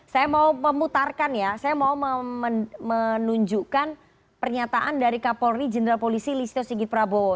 saya mau memutarkan ya saya mau menunjukkan pernyataan dari kapolri jenderal polisi listio sigit prabowo